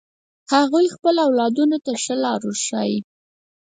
هغوی خپل اولادونو ته ښه لار ورښایی